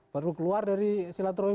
baru keluar dari silaturahmi